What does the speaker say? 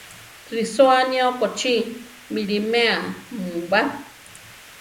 Risóa aní okochí! miʼlimea mu ba!